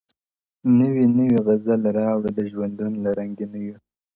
• نوي نوي غزل راوړه د ژوندون له رنګینیو..